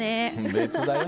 別だよ